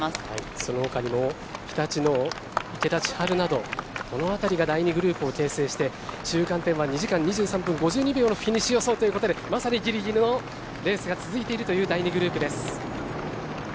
そのほかにも日立の池田千晴などこの辺りが第２グループを形成して中間点は２時間２３分５２秒でまさにぎりぎりのレースが続いているという第２グループです。